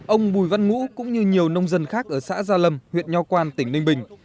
ông bùi văn ngũ cũng như nhiều nông dân khác ở xã gia lâm huyện nho quan tỉnh ninh bình